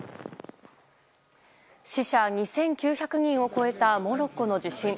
死者２９００人を超えたモロッコの地震。